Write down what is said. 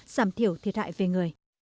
giảm thiểu thiệt hại về người